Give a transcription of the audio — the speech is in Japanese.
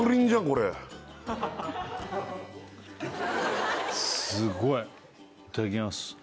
これすごいいただきます